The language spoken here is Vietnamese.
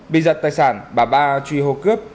bị giật tài sản bà ba truy hô cướp